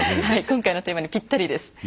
はい今回のテーマにぴったりです。